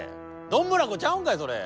「どんぶらこ」ちゃうんかいそれ。